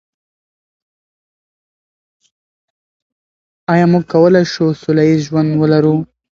آیا موږ کولای شو سوله ییز ژوند ولرو؟